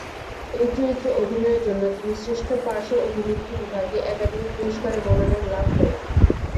এই চরিত্রে অভিনয়ের জন্য তিনি শ্রেষ্ঠ পার্শ্ব অভিনেত্রী বিভাগে একাডেমি পুরস্কারের মনোনয়ন লাভ করেন।